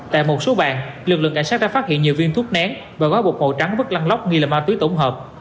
tại một số bàn lực lượng cảnh sát đã phát hiện nhiều viên thuốc nén và gói bột màu trắng rất lăng lóc nghi là ma túy tổng hợp